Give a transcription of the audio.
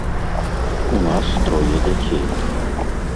У нас трое дзяцей.